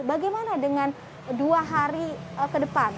bagaimana dengan dua hari ke depan